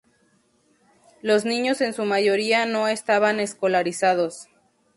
Los niños en su mayoría no estaban escolarizados.